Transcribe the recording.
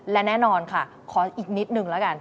และแน่นอนค่ะขออีกนิดนึงแล้วกัน